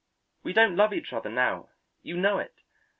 We don't love each other now; you know it.